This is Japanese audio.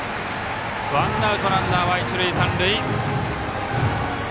ワンアウト、ランナーは一塁三塁。